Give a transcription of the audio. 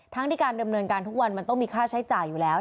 ทั้งที่การเริ่มเรือนกันทุกวันมันต้องมีค่าใช้จ่ายอยู่แล้ว